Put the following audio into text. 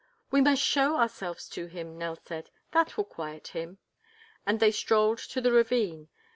"We must show ourselves to him," Nell said. "That will quiet him." And they strolled to the ravine.